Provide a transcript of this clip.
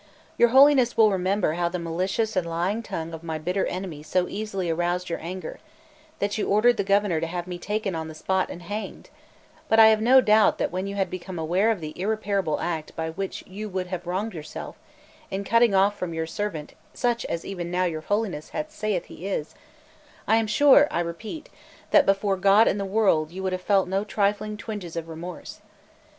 Your Holiness will remember how the malicious and lying tongue of my bitter enemy so easily aroused your anger, that you ordered the Governor to have me taken on the spot and hanged; but I have no doubt that when you had become aware of the irreparable act by which you would have wronged yourself, in cutting off from you a servant such as even now your Holiness hath said he is, I am sure, I repeat, that, before God and the world, you would have felt no trifling twinges of remorse.